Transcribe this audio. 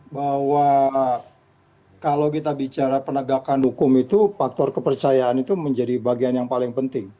bahwa kalau kita bicara penegakan hukum itu faktor kepercayaan itu menjadi bagian yang paling penting